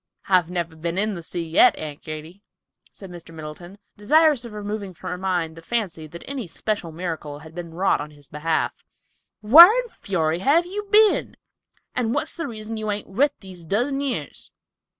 "I've never been in the sea yet, Aunt Katy," said Mr. Middleton, desirous of removing from her mind the fancy that any special miracle had been wrought in his behalf. "Whar in fury have you been, and what's the reason you hain't writ these dozen years?